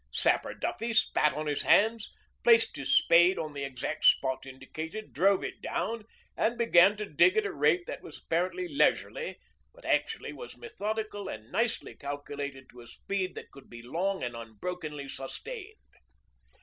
Sapper Duffy spat on his hands, placed his spade on the exact spot indicated, drove it down, and began to dig at a rate that was apparently leisurely but actually was methodical and nicely calculated to a speed that could be long and unbrokenly sustained.